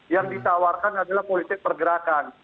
yang ditawarkan adalah politik pergerakan